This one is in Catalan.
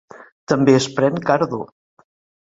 També es pren cardo.